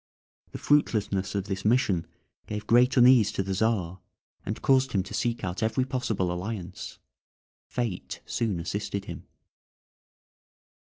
The fruitlessness of this mission gave great uneasiness to the Czar, and caused him to seek out every possible alliance. Fate soon assisted him.